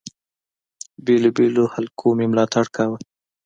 بېلو بېلو حلقو مي ملاتړ کاوه.